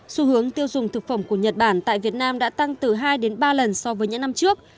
xu hướng tiêu dùng thực phẩm của nhật bản tại việt nam đã tăng từ hai đến ba lần so với những năm trước